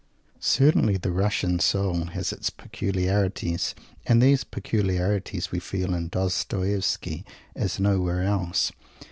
Certainly the Russian soul has its peculiarities, and these peculiarities we feel in Dostoievsky as nowhere else.